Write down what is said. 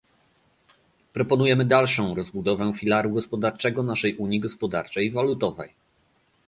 Proponujemy dalszą rozbudowę filaru gospodarczego naszej unii gospodarczej i walutowej